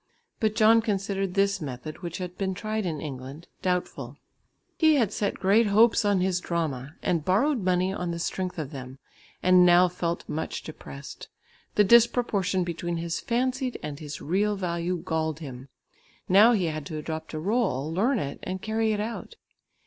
But John considered this method, which had been tried in England, doubtful. He had set great hopes on his drama, and borrowed money on the strength of them, and now felt much depressed. The disproportion between his fancied and his real value galled him. Now he had to adopt a rôle, learn it, and carry it out.